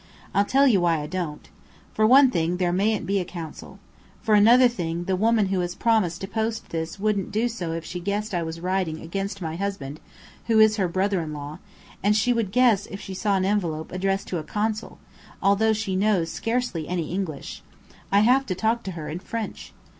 I'll tell you why I don't. For one thing, there mayn't be a consul. For another thing, the woman who has promised to post this wouldn't do so if she guessed I was writing against my husband, who is her brother in law, and she would guess if she saw an envelope addressed to a consul, although she knows scarcely any English. I have to talk to her in French.